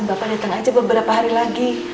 bapak datang aja beberapa hari lagi